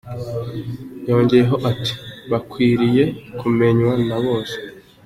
Yongeyeho ati "Bakwiriye kumenywa na bose.